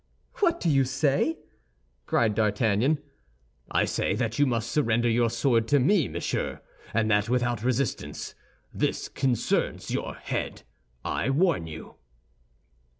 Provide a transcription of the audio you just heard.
what do you say?" cried D'Artagnan. "I say that you must surrender your sword to me, monsieur, and that without resistance. This concerns your head, I warn you."